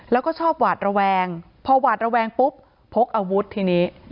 แล้วก็ชอบหวาดระแวงพอหวาดระแวงปุ๊บพกอาวุธทีนี้